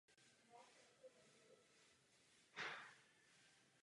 Továrna Walter byla českým výrobcem osobních a užitkových automobilů.